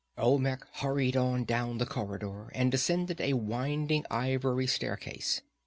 Olmec hurried on down the corridor, and descended a winding ivory staircase.